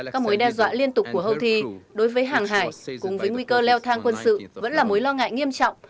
các mối đe dọa liên tục của houthi đối với hàng hải cùng với nguy cơ leo thang quân sự vẫn là mối lo ngại nghiêm trọng